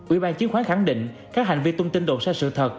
ủy ban chứng khoán khẳng định các hành vi thông tin đột xa sự thật